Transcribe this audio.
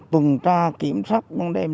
tồn tra kiểm soát băng đêm